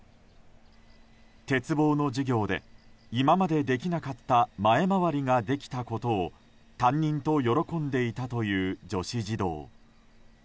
鉄棒の授業で今までできなかった前回りができたことを担任と喜んでいたという女子児童。